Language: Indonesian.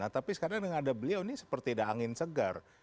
tapi sekarang dengan ada beliau ini seperti ada angin segar